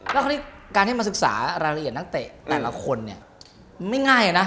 แล้วคราวนี้การที่มาศึกษารายละเอียดนักเตะแต่ละคนเนี่ยไม่ง่ายนะ